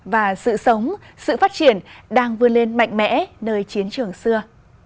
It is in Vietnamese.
và sự sống sự phát triển đang vươn lên mạnh mẽ nơi chiến trường xưa